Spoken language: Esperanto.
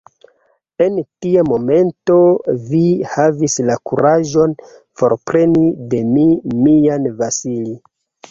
En tia momento vi havis la kuraĝon forpreni de mi mian Vasili!